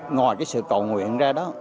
ngoài sự cầu nguyện ra đó